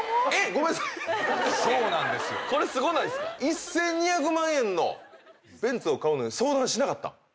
１，２００万円のベンツを買うのに相談しなかった？